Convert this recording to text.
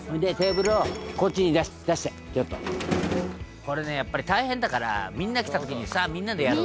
「これねやっぱり大変だからみんなが来た時に“さあみんなでやろう”」